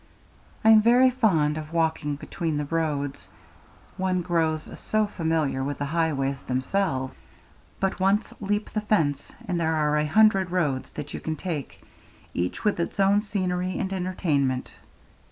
I am very fond of walking between the roads. One grows so familiar with the highways themselves. But once leap the fence and there are a hundred roads that you can take, each with its own scenery and entertainment.